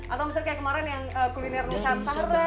atau misalnya kayak kemarin yang kuliner nusantara atau yang jangan